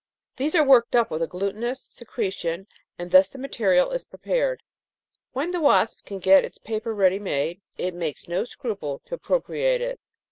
These are worked up with a glutinous secretion, and thus the material is prepared. When the wasp can get its paper ready made, it makes no scruple to appro priate it.